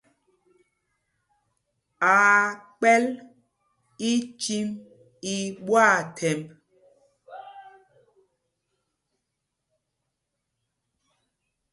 Aa kpɛ̌l ícîm í ɓwâthɛmb.